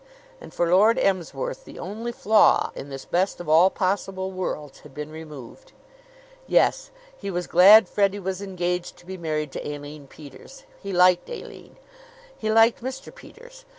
And for Lord Emsworth the only flaw in this best of all possible worlds had been removed. Yes, he was glad Freddie was engaged to be married to Aline Peters. He liked Aline. He liked Mr. Peters.